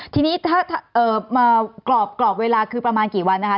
ทีนี้ถ้ากรอบเวลาคือประมาณกี่วันนะคะ